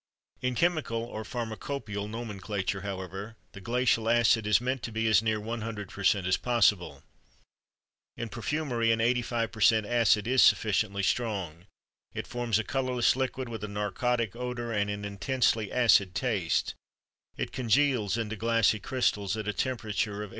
In chemical or pharmacopœial nomenclature, however, the glacial acid is meant to be as near 100% as possible. In perfumery, an 85% acid is sufficiently strong. It forms a colorless liquid with a narcotic odor and an intensely acid taste; it congeals into glassy crystals at a temperature of 8.